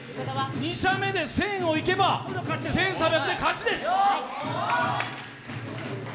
２射目で１０００いけば１３００点、勝ちです。